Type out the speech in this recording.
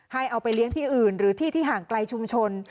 เอาไปเลี้ยงที่อื่นหรือที่ที่ห่างไกลชุมชน